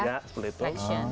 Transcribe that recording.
ya seperti itu